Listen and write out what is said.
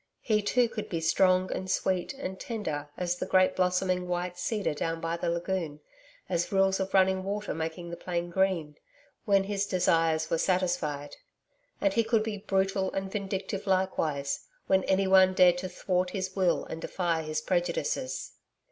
He too could be strong and sweet and tender as the great blossoming white cedar down by the lagoon, as rills of running water making the plain green when his desires were satisfied. And he could be brutal and vindictive likewise, when anyone dared to thwart his will and defy his prejudices.